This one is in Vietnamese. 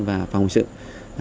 và phòng hình sự